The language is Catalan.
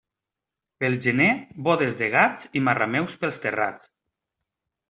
Pel gener, bodes de gats i marrameus pels terrats.